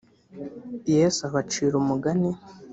yesu abacira umugani